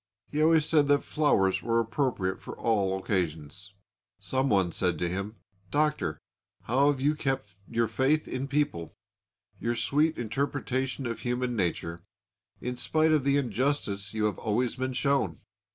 He always said that flowers were appropriate for all occasions. Some one said to him, "Doctor, how have you kept your faith in people, your sweet interpretation of human nature, in spite of the injustice you have sometimes been shown?"